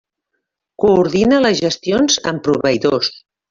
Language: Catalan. Coordina les gestions amb proveïdors.